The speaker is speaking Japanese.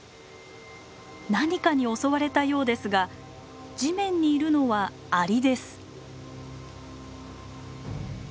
何かに襲われたようですが地面にいるのはアリです。